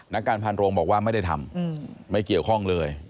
นักการพันโรงบอกว่าไม่ได้ทำไม่เกี่ยวข้องเลย